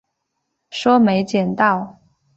说没捡到